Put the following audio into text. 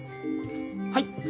はい。